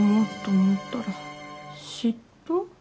嫉妬？